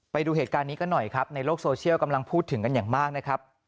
ไปดูเหตุการณ์นี้กันหน่อยครับในโลกโซเชียลกำลังพูดถึงกันอย่างมากนะครับ